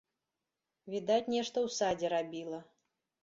Відаць, нешта ў садзе рабіла.